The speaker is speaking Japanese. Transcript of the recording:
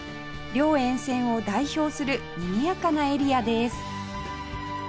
両沿線を代表するにぎやかなエリアです